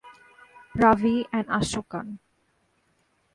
Ravi and Ashokan.